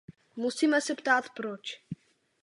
Musíme se ptát proč.